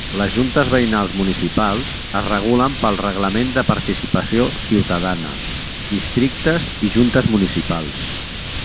Les Juntes Veïnals Municipals es regulen pel Reglament de Participació Ciutadana, Districtes i Juntes Municipals.